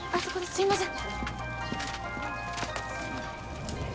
すいません。